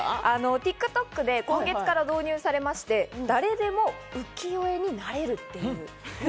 ＴｉｋＴｏｋで今月から導入されまして、誰でも浮世絵になれる。